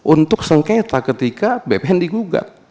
untuk sengketa ketika bpn digugat